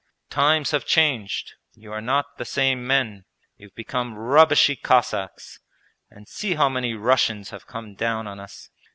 'Times have changed. You are not the same men. You've become rubbishy Cossacks! And see how many Russians have come down on us!